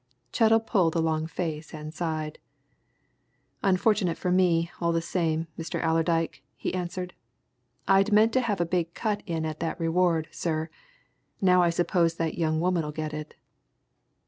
Chettle pulled a long face and sighed. "Unfortunate for me, all the same, Mr. Allerdyke," he answered. "I'd meant to have a big cut in at that reward, sir. Now I suppose that young woman'll get it."